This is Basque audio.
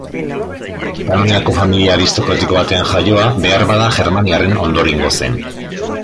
Panoniako familia aristokratiko batean jaioa, beharbada, germaniarren ondorengo zen.